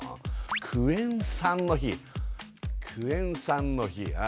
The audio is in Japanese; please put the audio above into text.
クエン酸の日クエン酸の日あ